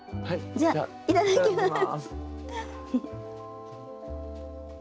じゃあいただきます。